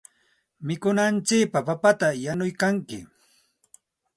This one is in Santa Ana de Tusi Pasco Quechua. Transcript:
Mikunankupaq papata yanuykalkanki.